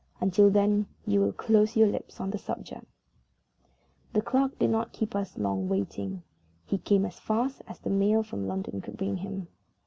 Until then, you will close your lips on the subject." The clerk did not keep us long waiting. He came as fast as the mail from London could bring him.